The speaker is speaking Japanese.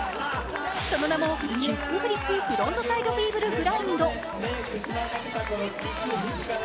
その名もキックフリップフロントサイドフィーブルグラインド。